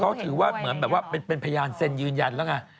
เขาถือว่าเหมือนแบบว่าเป็นพยานเซ็นยืนยันแล้วไง